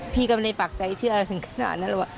พี่ก็ไม่ได้ปากใจเชื่ออะไรถึงขนาดนั้น